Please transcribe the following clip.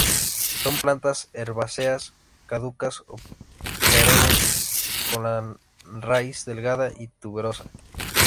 Son plantas herbáceas caducas o perennes con la raíz delgada y tuberosa.